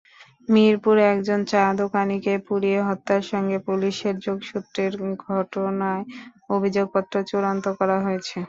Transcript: মিরপুরে একজন চা-দোকানিকে পুড়িয়ে হত্যার সঙ্গে পুলিশের যোগসূত্রের ঘটনায় অভিযোগপত্র চূড়ান্ত করা হয়েছে।